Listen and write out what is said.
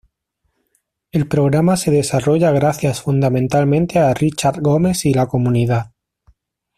El programa se desarrolla gracias fundamentalmente a Richard Gomes y la comunidad.